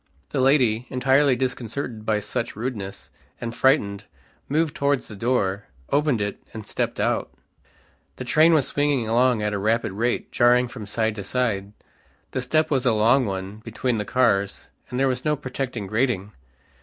The lady, entirely disconcerted by such rudeness, and frightened, moved towards the door, opened it and stepped out. The train was swinging along at a rapid rate, jarring from side to side; the step was a long one between the cars and there was no protecting grating.